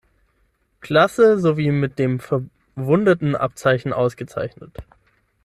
Klasse sowie mit dem Verwundetenabzeichen ausgezeichnet.